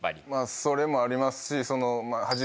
それもありますし。